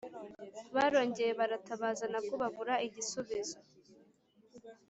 barongeye baratabaza, nabwo babura igisubizo,